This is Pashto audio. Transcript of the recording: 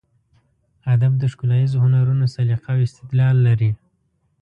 ادب د ښکلاییزو هنرونو سلیقه او استدلال لري.